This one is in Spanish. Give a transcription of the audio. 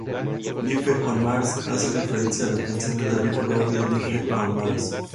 Life on Mars hace referencia a la canción de David Bowie Life on Mars?.